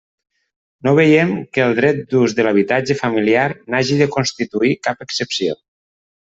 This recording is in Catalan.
No veiem que el dret d'ús de l'habitatge familiar n'hagi de constituir cap excepció.